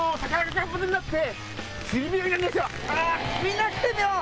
みんな来てみろ！